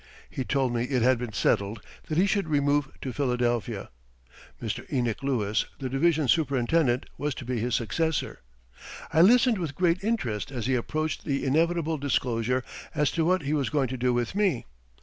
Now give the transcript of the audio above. He told me it had been settled that he should remove to Philadelphia. Mr. Enoch Lewis, the division superintendent, was to be his successor. I listened with great interest as he approached the inevitable disclosure as to what he was going to do with me.